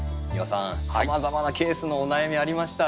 さまざまなケースのお悩みありました。